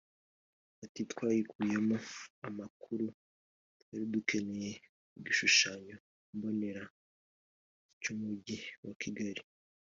Ati “Twayikuyemo amakuru twari dukeneye ku gishushanyo mbonera cy’umujyi wa Kigali